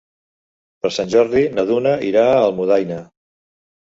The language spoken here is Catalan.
Per Sant Jordi na Duna irà a Almudaina.